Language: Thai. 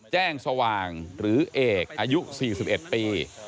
แจ้งสว่างหรือเอกอายุ๔๑ปี